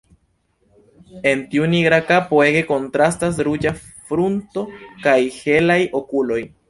En tiu nigra kapo ege kontrastas ruĝa frunto kaj helaj okuloj.